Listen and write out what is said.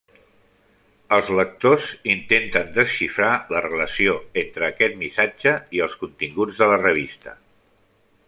Els lectors intenten desxifrar la relació entre aquest missatge i els continguts de la revista.